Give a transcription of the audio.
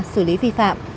xử lý vi phạm